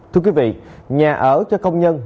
thưa quý vị nhà ở cho công nhân